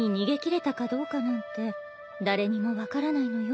誰にも分からないのよ。